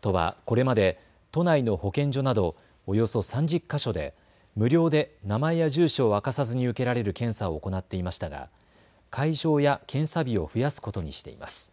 都はこれまで都内の保健所などおよそ３０か所で無料で名前や住所を明かさずに受けられる検査を行っていましたが会場や検査日を増やすことにしています。